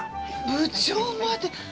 部長まで。